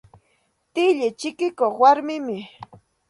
Tilli chikikuq warmimi.